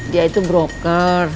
dia itu broker